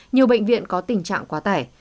nhiều bệnh viện có tình trạng quá tải